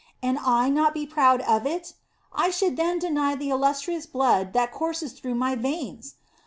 And I not be proud of it! I should then deny the illustrious blood that courses through my veins!